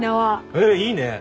えっいいね。